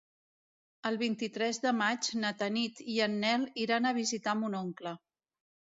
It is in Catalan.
El vint-i-tres de maig na Tanit i en Nel iran a visitar mon oncle.